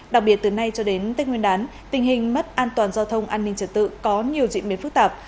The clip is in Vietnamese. đặc biệt từ nay cho đến tết nguyên đán tình hình mất an toàn giao thông an ninh trật tự có nhiều diễn biến phức tạp